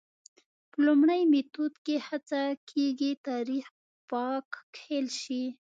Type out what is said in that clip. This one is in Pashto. په لومړي میتود کې هڅه کېږي تاریخ پاک کښل شي.